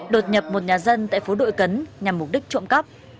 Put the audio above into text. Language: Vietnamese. đột nhập một nhà dân tại phố đội cấn nhằm mục đích trộm cắp